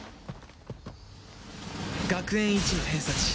学園一の偏差値